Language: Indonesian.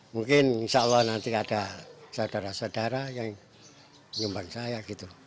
mungkin insya allah nanti ada saudara saudara yang nyumbang saya gitu